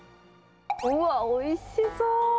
うわっ、おいしそう。